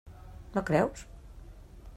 No creus?